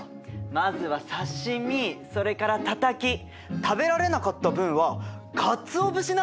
まずは刺身それからたたき食べられなかった分はかつお節なんてどう？